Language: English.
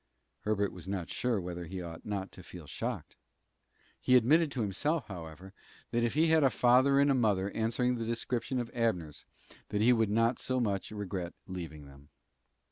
Herbert was not sure whether he ought not to feel shocked. He admitted to himself, however, that if he had a father and mother answering the description of Abner's, that he would not so much regret leaving them.